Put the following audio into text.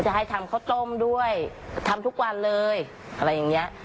ให้ทำข้าวต้มด้วยทำทุกวันเลยอะไรอย่างเงี้ย